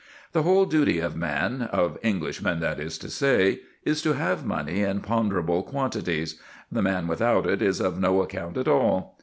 The whole duty of man of Englishmen, that is to say is to have money in ponderable quantities; the man without it is of no account at all.